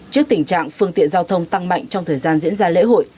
trước tình trạng phương tiện giao thông tăng mạnh trong thời gian diễn ra lễ hội